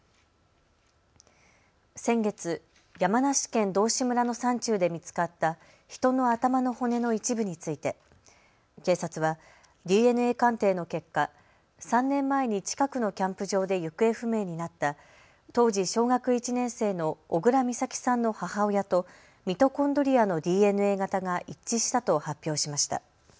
先月、山梨県道志村の山中で見つかった人の頭の骨の一部について警察はＤＮＡ鑑定の結果、３年前に近くのキャンプ場で行方不明になった当時、小学１年生の小倉美咲さんの母親とミトコンドリアのＤＮＡ型が一致したと発表しました。